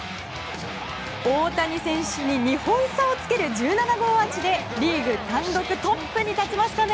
大谷選手に２本差をつける１７号アーチでリーグ単独トップに立ちました。